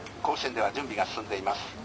甲子園では準備が進んでいます。